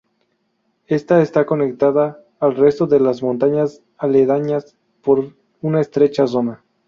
Esta está conectada al resto de las montañas aledañas por una estrecha zona.